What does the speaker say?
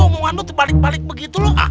omongan lo terbalik balik begitu lo